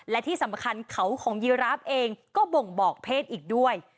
และที่สำคัญเขาของยีราฟเองก็บ่งบอกเพศอีกด้วย